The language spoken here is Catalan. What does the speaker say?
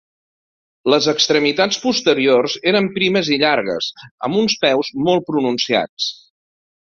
Les extremitats posteriors eren primes i llargues amb uns peus molt pronunciats.